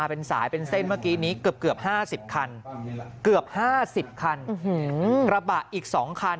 เป็นสายเป็นเส้นเมื่อกี้นี้เกือบ๕๐คันเกือบ๕๐คันกระบะอีก๒คัน